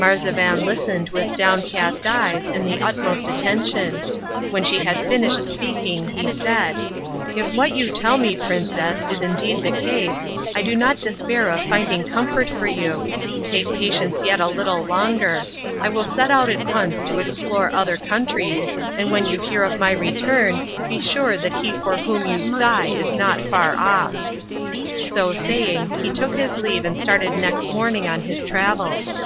Marzavan listened with downcast eyes and the utmost attention. When she had finished speaking he said, "If what you tell me, Princess, is indeed the case, I do not despair of finding comfort for you. Take patience yet a little longer. I will set out at once to explore other countries, and when you hear of my return be sure that he for whom you sigh is not far off." So saying, he took his leave and started next morning on his travels.